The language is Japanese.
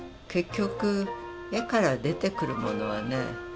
結局絵から出てくるものはね